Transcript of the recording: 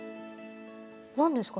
何ですか？